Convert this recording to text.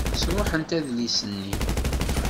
Sṛuḥent adlis-nni.